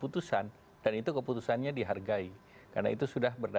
tidak ada hal yang disampaikan itu tidak ada